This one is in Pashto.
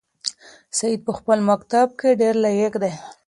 سعید په خپل مکتب کې ډېر لایق دی.